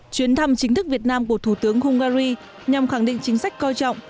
chuyến thăm chính thức việt nam của thủ tướng hungary nhằm khẳng định chính sách coi trọng